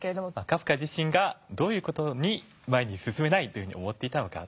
カフカ自身がどういう事に前に進めないと思っていたのか。